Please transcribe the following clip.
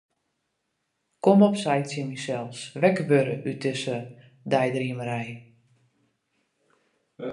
Kom op, sei ik tsjin mysels, wekker wurde út dizze deidreamerij.